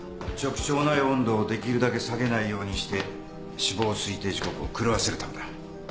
直腸内温度をできるだけ下げないようにして死亡推定時刻を狂わせるためだ。